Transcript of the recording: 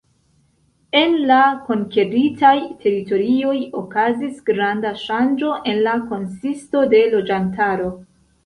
En la konkeritaj teritorioj okazis granda ŝanĝo en la konsisto de loĝantaro.